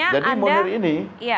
jadi munir ini